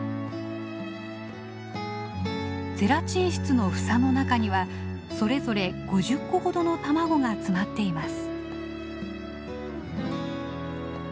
ゼラチン質の房の中にはそれぞれ５０個ほどの卵が詰まっています。